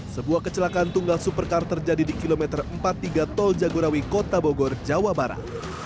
sebuah kecelakaan tunggal supercar terjadi di kilometer empat puluh tiga tol jagorawi kota bogor jawa barat